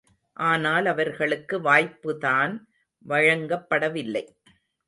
ஆனால் அவர்களுக்கு வாய்ப்புதான் வழங்கப்படவில்லை.